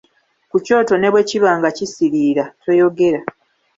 Ku kyoto ne bwe kiba nga kisiriira, toyogera.